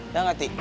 ya gak ti